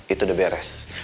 itu udah beres